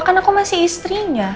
karena aku masih istrinya